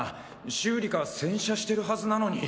修理か洗車してるはずなのに。